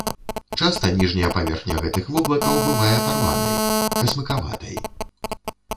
Часта ніжняя паверхня гэтых воблакаў бывае парванай, касмыкаватай.